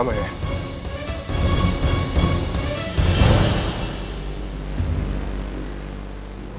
ini fotonya udah apa